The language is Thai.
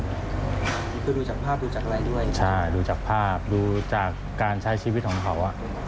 คือดูจากภาพดูจากอะไรด้วยใช่ดูจากภาพดูจากการใช้ชีวิตของเขาอ่ะ